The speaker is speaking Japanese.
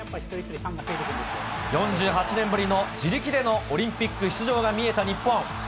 ４８年ぶりの自力でのオリンピック出場が見えた日本。